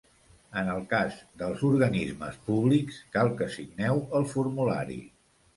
En el cas dels organismes públics, cal que signeu el formulari.